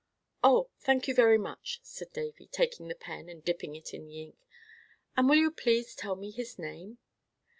"Oh! thank you very much," said Davy, taking the pen and dipping it in the ink. "And will you please tell me his name?"